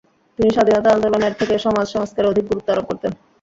তিনি স্বাধীনতা আন্দোলনের থেকে সমাজ সংস্কারে অধিক গুরুত্ব আরোপ করতেন।